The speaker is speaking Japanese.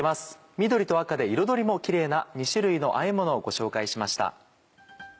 緑と赤で彩りもキレイな２種類のあえものをご紹介しました。